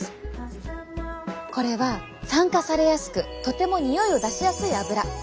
これは酸化されやすくとても匂いを出しやすい脂！